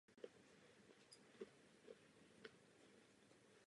Celé mládí je o mobilitě a o změnách zaměstnání.